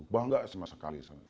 bangga sama sekali